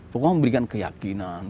pokoknya memberikan keyakinan